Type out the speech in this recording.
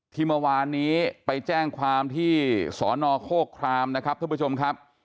ที่เมื่อวานนี้ไปแจ้งความที่สอนอโคครามนะครับท่านผู้ชมครับ